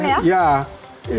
karena punya kecepatan ya